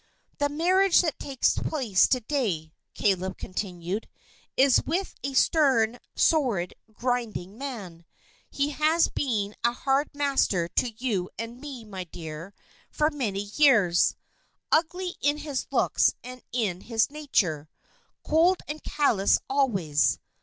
"The marriage that takes place to day," Caleb continued, "is with a stern, sordid, grinding man. He has been a hard master to you and me, my dear, for many years. Ugly in his looks and in his nature. Cold and callous always.